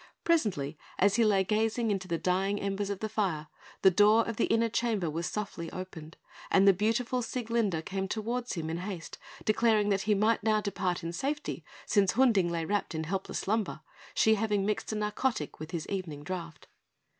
Presently, as he lay gazing into the dying embers of the fire, the door of the inner chamber was softly opened, and the beautiful Sieglinde came towards him in haste, declaring that he might now depart in safety, since Hunding lay wrapped in helpless slumber, she having mixed a narcotic with his evening draught.